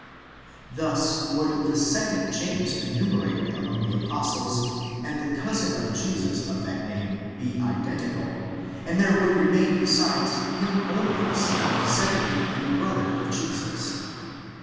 Thus would the second James enumerated among the apostles and the cousin of Jesus of that name be identical, and there would remain besides him only the son of Zebedee and the brother of Jesus.